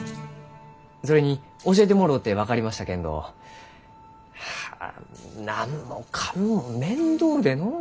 それに教えてもろうて分かりましたけんどはあ何もかんも面倒でのう。